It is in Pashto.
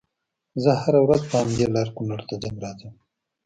زه هره ورځ په همدې لار کونړ ته ځم راځم